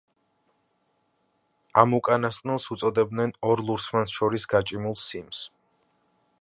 ამ უკანასკნელს უწოდებდნენ ორ ლურსმანს შორის გაჭიმულ სიმს.